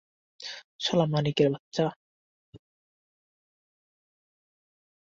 শালা মানকির বাচ্চা!